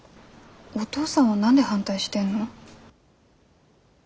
お父さんは何で反対してんの？